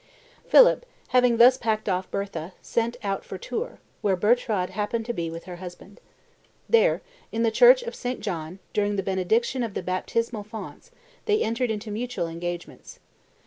Philip, having thus packed off Bertha, set out for Tours, where Bertrade happened to be with her husband. There, in the church of St. John, during the benediction of the baptismal fonts, they entered into mutual engagements.